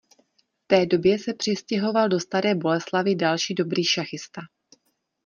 V té době se přistěhoval do Staré Boleslavi další dobrý šachista.